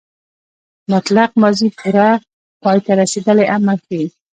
مطلق ماضي پوره پای ته رسېدلی عمل ښيي.